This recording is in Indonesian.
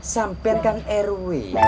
sampai kan rw